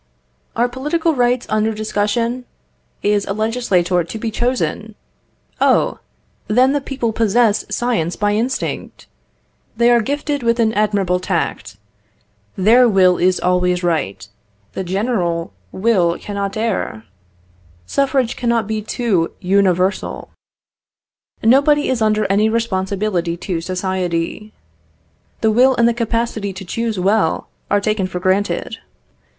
Are political rights under discussion? Is a legislator to be chosen? Oh! then the people possess science by instinct: they are gifted with an admirable tact; their will is always right; the general will cannot err. Suffrage cannot be too universal. Nobody is under any responsibility to society. The will and the capacity to choose well are taken for granted.